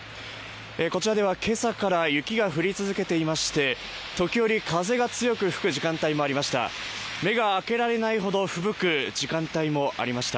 こちらでは今朝から雪が降り続けていまして時折風が強く吹く時間帯もありました